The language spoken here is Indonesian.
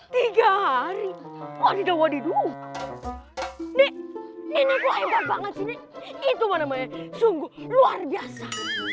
tiga hari wadidaw wadidaw ini itu luar biasa